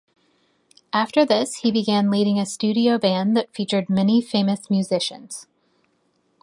After this, he began leading a studio band that featured many famous musicians.